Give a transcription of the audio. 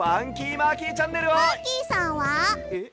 マーキーさんは？えっ？